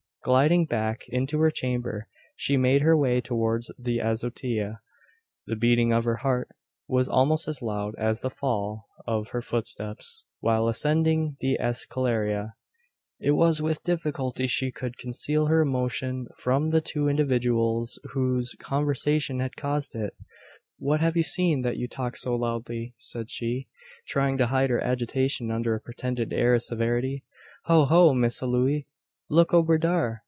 Gliding back into her chamber she made her way towards the azotea. The beating of her heart was almost as loud as the fall of her footsteps while ascending the escalera. It was with difficulty she could conceal her emotion from the two individuals whose conversation had caused it. "What have you seen, that you talk so loudly?" said she, trying to hide her agitation under a pretended air of severity, "Ho, ho! Missa Looey look ober dar.